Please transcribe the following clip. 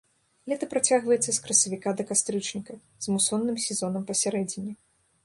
Лета працягваецца з красавіка да кастрычніка, з мусонным сезонам пасярэдзіне.